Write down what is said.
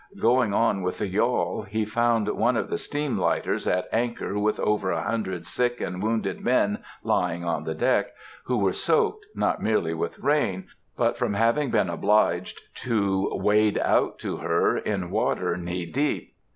Going on with the yawl, he found one of the steam lighters at anchor with over a hundred sick and wounded men lying on the deck, who were soaked, not merely with rain, but from having been obliged to wade out to her in water knee deep.